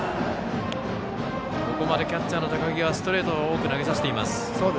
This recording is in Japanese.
ここまでキャッチャーの高木ストレートを多く投げさせています。